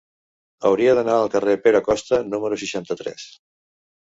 Hauria d'anar al carrer de Pere Costa número seixanta-tres.